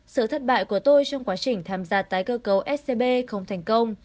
sự thất bại của tôi trong quá trình tham gia tái cơ cấu scb không thành công